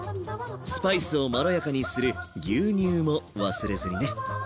スパイスをまろやかにする牛乳も忘れずにね。